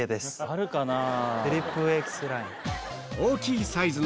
あるかなぁ。